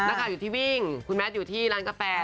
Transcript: ข่าวอยู่ที่วิ่งคุณแมทอยู่ที่ร้านกาแฟ